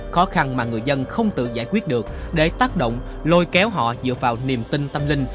khó khăn mà người dân không tự giải quyết được để tác động lôi kéo họ dựa vào niềm tin tâm linh